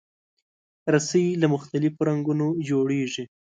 رسۍ له مختلفو رنګونو جوړېږي.